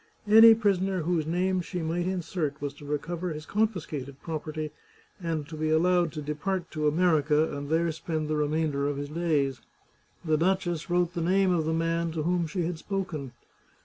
Any prisoner whose name she might insert was to recover his confiscated property, and to be allowed to depart to America and there spend the remainder of his days. The duchess wrote the name of the man to whom she had spoken.